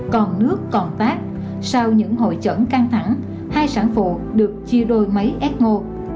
còn nước còn tác sau những hội chẩn căng thẳng hai sáng vụ được chia đôi máy ecmo